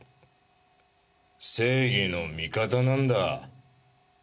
正義の味方なんだ。